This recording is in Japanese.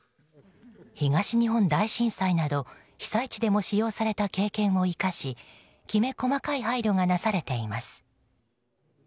東日本大震災など被災地でも使用された経験を生かしきめ細かい配慮がなされています。